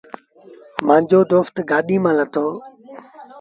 مآݩجو دوست گآڏيٚ مآݩ لٿو۔